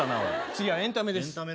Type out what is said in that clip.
次はエンタメです。